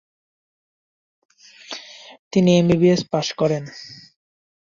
তিনি এমবিবিএস পাশ করেন।